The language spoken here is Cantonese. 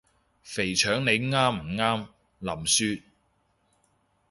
肥腸你啱唔啱？林雪？